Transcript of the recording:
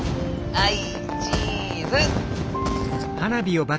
はいチーズ！